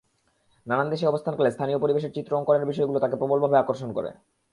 নানান দেশে অবস্থানকালে স্থানীয় পরিবেশের চিত্র অঙ্কনের বিষয়গুলো তাঁকে প্রবলভাবে আকর্ষণ করে।